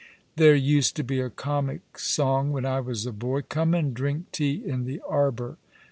There used to be a comic song when I was a boy —* Come and drink tea in the arbour.'